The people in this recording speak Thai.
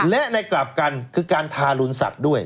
และในกลับกันคือการทารุณสัตว์ด้วย